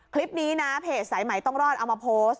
คลิปนี้นะเพจสายใหม่ต้องรอดเอามาโพสต์